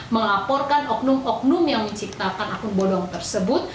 melaporkan oknum oknum yang menciptakan akun bodong tersebut